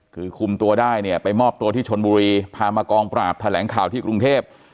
คือคุมตัวได้เนี่ยไปมอบตัวที่ชนบุรีพามากองปราบแถลงข่าวที่กรุงเทพ